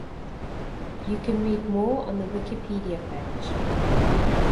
You can read more on the Wikipedia page.